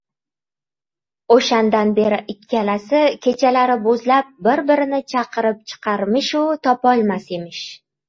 O‘shandan beri ikkalasi kechalari bo‘zlab bir-birini chaqirib chiqisharmishu, topolmas emish...